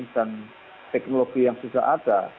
dan teknologi yang sudah ada